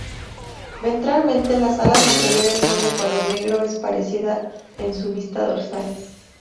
Ventralmente las alas anteriores son de color negro es parecida en su vista dorsal.